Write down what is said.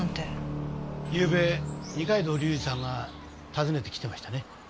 ゆうべ二階堂隆二さんが訪ねてきてましたね？